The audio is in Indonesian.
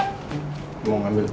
gue mau tidur sama dia lagi